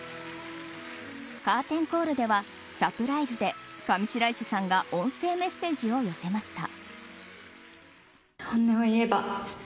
カーテンコールではサプライズで上白石さんが音声メッセージを寄せました。